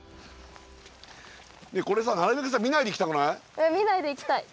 これさなるべく見ないで行きたくない？